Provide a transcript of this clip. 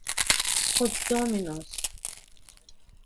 condôminos